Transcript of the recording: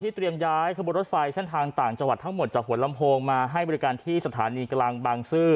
เตรียมย้ายขบวนรถไฟเส้นทางต่างจังหวัดทั้งหมดจากหัวลำโพงมาให้บริการที่สถานีกลางบางซื่อ